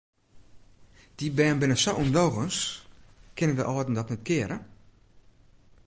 Dy bern binne sa ûndogens, kinne de âlden dat net keare?